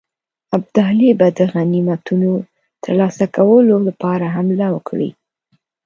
ابدالي به د غنیمتونو ترلاسه کولو لپاره حمله وکړي.